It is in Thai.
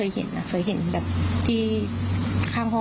ยังไม่เคยเห็นเลยครับ